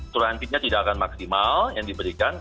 surantinya tidak akan maksimal yang diberikan